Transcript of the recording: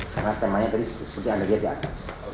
karena temanya tadi seperti yang anda lihat di atas